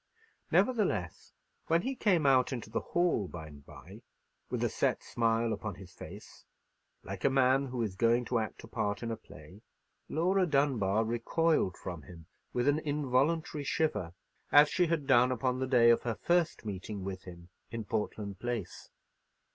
Nevertheless, when he came out into the hall by and by, with a set smile upon his face, like a man who is going to act a part in a play, Laura Dunbar recoiled from him with an involuntary shiver, as she had done upon the day of her first meeting with him in Portland Place.